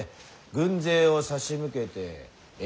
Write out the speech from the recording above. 軍勢を差し向けてええ。